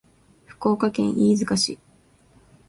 福岡県飯塚市